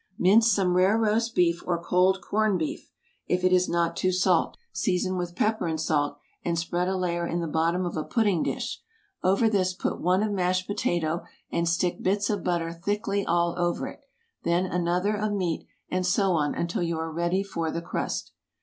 ✠ Mince some rare roast beef or cold corned beef, if it is not too salt; season with pepper and salt, and spread a layer in the bottom of a pudding dish. Over this put one of mashed potato, and stick bits of butter thickly all over it; then another of meat, and so on until you are ready for the crust.